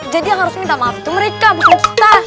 jadi yang harus minta maaf tuh mereka bukan kita